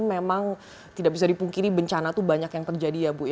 memang tidak bisa dipungkiri bencana itu banyak yang terjadi ya bu